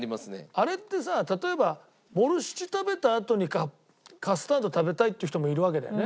あれってさ例えばボルシチ食べたあとにカスタード食べたいっていう人もいるわけだよね。